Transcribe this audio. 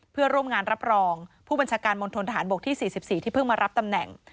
เพื่อร่วมงานรับรองผู้บัญชาการมณฑนทหารบกที่๔๔ที่เพิ่งมารับตำแหน่ง